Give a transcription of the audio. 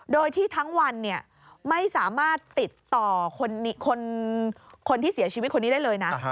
โดยที่ทั้งวันไม่สามารถติดต่อคนที่เสียชีวิตคนนี้ได้เลยนะ